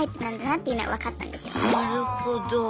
なるほど。